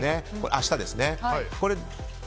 明日ですね。